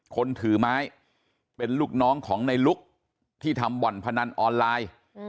คนถือไม้เป็นลูกน้องของในลุกที่ทำบ่อนพนันออนไลน์